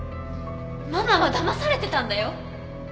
ママはだまされてたんだよ？